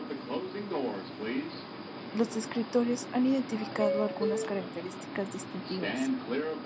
Los descriptores han identificado algunas características distintivas.